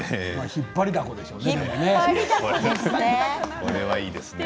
引っ張りだこですよね。